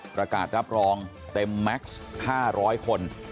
ประกาศรับรองเต็มแม็กซ์๕๐๐คน